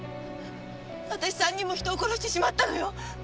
私３人も人を殺してしまったのよ！